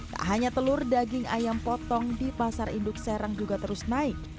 tak hanya telur daging ayam potong di pasar induk serang juga terus naik